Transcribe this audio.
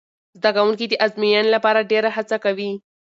زده کوونکي د ازموینې لپاره ډېره هڅه کوي.